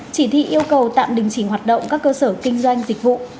chỉ thị yêu cầu tạm đình chỉ hoạt động các cơ sở kinh doanh dịch vụ